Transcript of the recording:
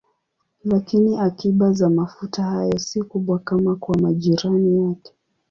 Lakini akiba za mafuta hayo si kubwa kama kwa majirani yake.